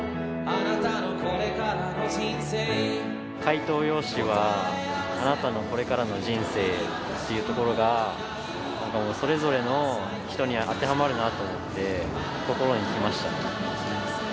「解答用紙はあなたのこれからの人生」っていうところがそれぞれの人に当てはまるなと思って心にきました。